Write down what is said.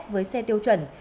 với xe tiêu chuẩn